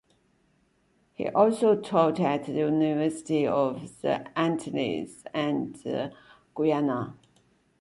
He also taught at the University of the Antilles and Guyana.